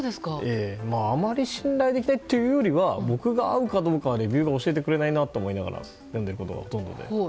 あまり信頼できないというよりは僕に合うかどうかレビューは教えてくれないなと思って読んでいることがほとんどで。